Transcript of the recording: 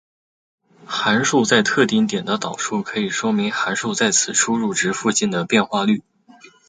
函数在特定点的导数可以说明函数在此输入值附近的变化率。